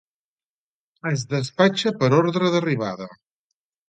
Es despatxa per ordre d'arribada.